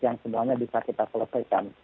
yang semuanya bisa kita selesaikan